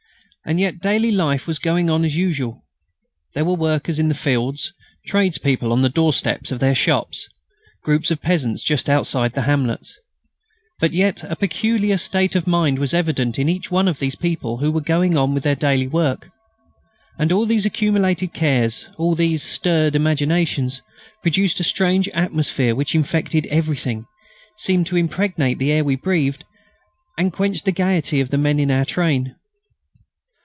And yet daily life was going on as usual. There were workers in the fields, tradespeople on the doorsteps of their shops, groups of peasants just outside the hamlets. But yet a peculiar state of mind was evident in each one of these people who were going on with their daily work. And all these accumulated cares, all these stirred imaginations, produced a strange atmosphere which infected everything, seemed to impregnate the air we breathed, and quenched the gaiety of the men in our train.